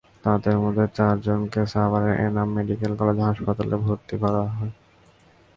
তাঁদের মধ্যে চারজনকে সাভারের এনাম মেডিকেল কলেজ হাসপাতালে ভর্তি করা হয়েছে।